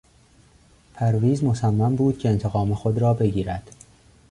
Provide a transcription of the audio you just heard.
پرویز مصمم بود که انتقام خود را بگیرد.